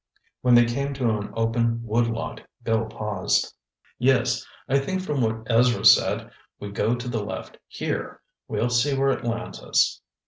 When they came to an open woodlot, Bill paused. "Yes, I think from what Ezra said, we go to the left here. We'll see where it lands us."